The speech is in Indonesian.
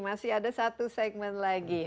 masih ada satu segmen lagi